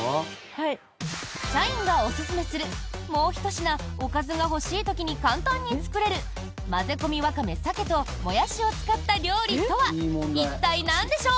社員がおすすめするもうひと品おかずが欲しい時に簡単に作れる「混ぜ込みわかめ鮭」とモヤシを使った料理とは一体なんでしょう？